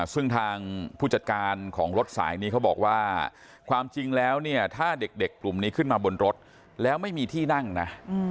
ซึ่งทางผู้จัดการของรถสายนี้เขาบอกว่าความจริงแล้วเนี่ยถ้าเด็กกลุ่มนี้ขึ้นมาบนรถแล้วไม่มีที่นั่งนะ